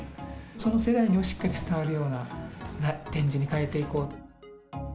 その世代にもしっかり伝わるような展示に変えていこうと。